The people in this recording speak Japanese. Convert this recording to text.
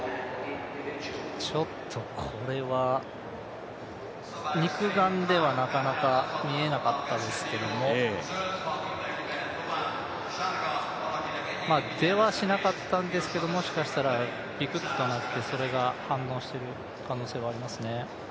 ちょっとこれは、肉眼ではなかなか見えなかったですけども、出はしなかったんですけどももしかしたらピクッとなってそれが反応している可能性はありますね。